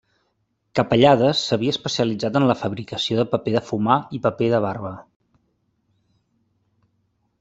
Capellades s'havia especialitzat en la fabricació de paper de fumar i paper de barba.